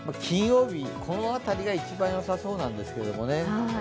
金曜日、この辺りが一番よさそうなんですけどね。